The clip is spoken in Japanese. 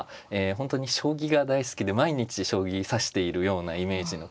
本当に将棋が大好きで毎日将棋指しているようなイメージの棋士。